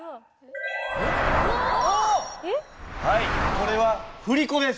これは振り子です。